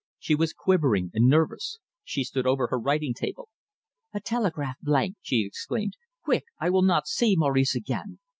She was quivering and nervous. She stood over her writing table. "A telegraph blank!" she exclaimed. "Quick! I will not see Maurice again.